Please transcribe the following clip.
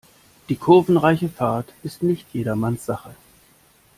Die kurvenreiche Fahrt ist nicht jedermanns Sache.